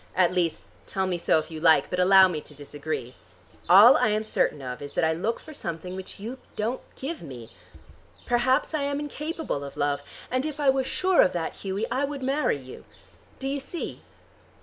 At least, tell me so if you like, but allow me to disagree. All I am certain of is that I look for something which you don't give me. Perhaps I am incapable of love. And if I was sure of that, Hughie, I would marry you. Do you see?"